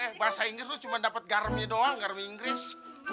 lo eh bahasa inggris lo cuma dapat garamnya doang garamnya inggris